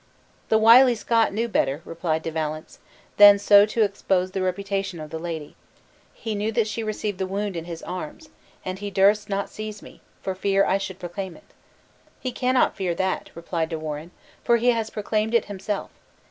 "The wily Scot knew better," replied De Valence, "than so to expose the reputation of the lady. He knew that she received the wound in his arms, and he durst not seize me, for fear I should proclaim it." "He cannot fear that," replied De Warenne, "for he has proclaimed it himself.